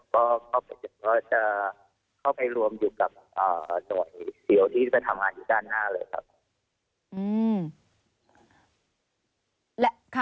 ก็จะเข้าไปรวมอยู่กับหน่วยเซียวที่จะไปทำงานอยู่ด้านหน้าเลยครับ